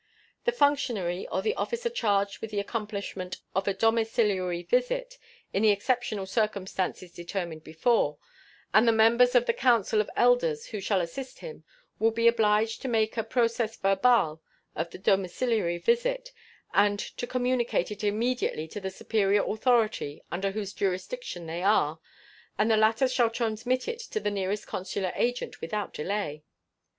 The functionary or the officer charged with the accomplishment of a domiciliary visit in the exceptional circumstances determined before, and the members of the council of elders who shall assist him, will be obliged to make out a procès verbal of the domiciliary visit and to communicate it immediately to the superior authority under whose jurisdiction they are, and the latter shall transmit it to the nearest consular agent without delay.